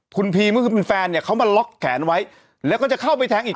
คุณพีมก็คือเป็นแฟนเนี่ยเขามาล็อกแขนไว้แล้วก็จะเข้าไปแทงอีก